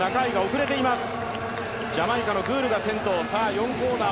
ジャマイカのグールが先頭。